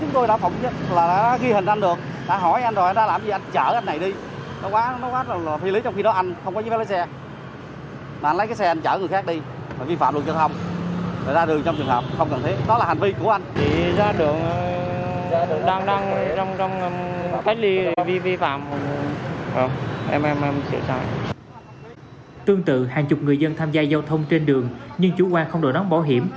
tương tự hàng chục người dân tham gia giao thông trên đường nhưng chủ quan không đội nón bảo hiểm